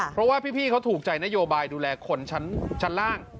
เพราะว่าพี่เขาถูกใจนโยบายดูแลคนชั้นล่าง